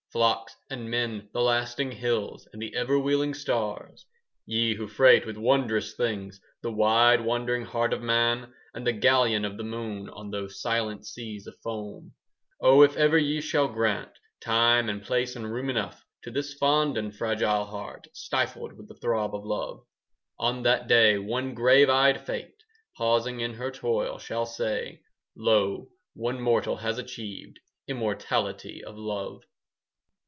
Flocks and men, the lasting hills, And the ever wheeling stars; Ye who freight with wondrous things 5 The wide wandering heart of man And the galleon of the moon, On those silent seas of foam; Oh, if ever ye shall grant Time and place and room enough 10 To this fond and fragile heart Stifled with the throb of love, On that day one grave eyed Fate, Pausing in her toil, shall say, "Lo, one mortal has achieved 15 Immortality of love!"